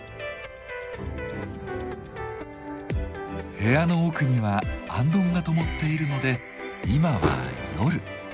部屋の奥には行灯がともっているので今は夜。